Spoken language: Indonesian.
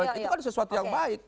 itu kan sesuatu yang baik